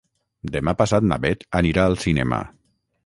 Demà passat na Bet anirà al cinema.